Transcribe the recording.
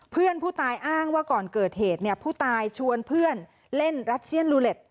เพื่อนผู้ตายอ้างว่าก่อนเกิดเหตุเนี่ยผู้ตายชวนเพื่อนเล่นรัสเซียนลูเล็ต